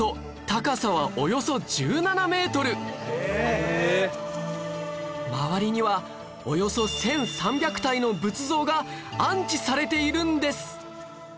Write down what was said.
高さは周りにはおよそ１３００体の仏像が安置されているんです